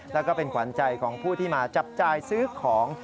แล้วก็เป็นขวัญใจของผู้ที่มาจับจ่ายซื้อของ